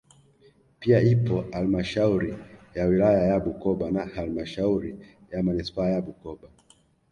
Pia ipo halmashauri ya wilaya ya Bukoba na halmashuri ya manispaa ya Bukoba